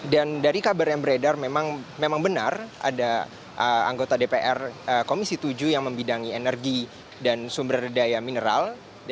dan dari kabar yang beredar memang benar ada anggota dpr komisi tujuh yang membidangi energi dan sumber daya mineral